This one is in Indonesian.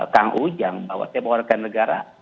kang ujang bahwa setiap warga negara